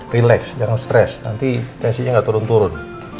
relax jangan stress nanti tensinya gak turun turun